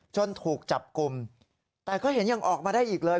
ถูกจับกลุ่มแต่ก็เห็นยังออกมาได้อีกเลย